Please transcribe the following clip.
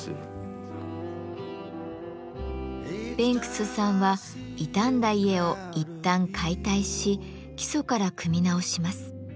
ベンクスさんは傷んだ家をいったん解体し基礎から組み直します。